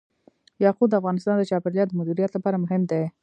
یاقوت د افغانستان د چاپیریال د مدیریت لپاره مهم دي.